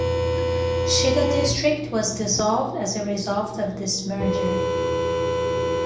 Shida District was dissolved as a result of this merger.